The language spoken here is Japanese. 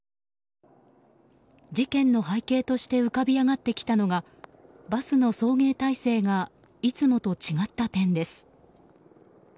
事件の背景として浮かび上がってきたのがバスの送迎体制がいつもと違った点です。